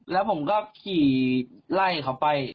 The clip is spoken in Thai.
แล้วผมก็ขี่ไล่เขาไป